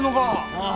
ああ。